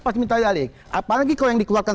pasti minta nyalek apalagi kalau yang dikeluarkan